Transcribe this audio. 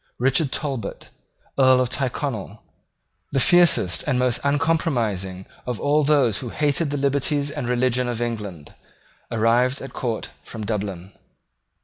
Richard Talbot, Earl of Tyrconnel, the fiercest and most uncompromising of all those who hated the liberties and religion of England, arrived at court from Dublin.